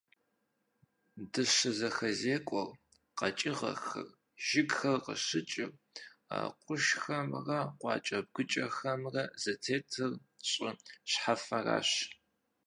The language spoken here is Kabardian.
ДыщызэхэзекӀуэр, къэкӀыгъэхэр, жыгхэр къыщыкӀыр, къуршхэмрэ къуакӀэ-бгыкӀэхэмрэ зытетыр щӀы щхьэфэращ.